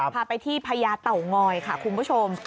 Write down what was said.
พาไปที่พญาเต่างอยค่ะคุณผู้ชม